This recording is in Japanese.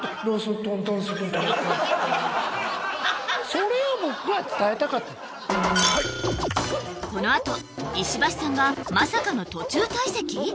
それを僕は伝えたかったこのあと石橋さんがまさかの途中退席？